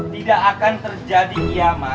tidak akan terjadi kiamat